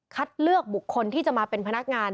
เลือกบุคคลที่จะมาเป็นพนักงาน